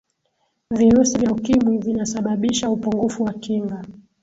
virusi vya ukimwi vinasababisha upungufu wa kinga